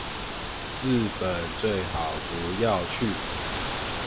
日本最好不要去